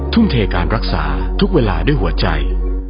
ทุ่มเทการรักษาทุกเวลาด้วยหัวใจ